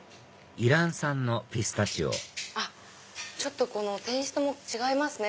イラン産のピスタチオちょっとテイストも違いますね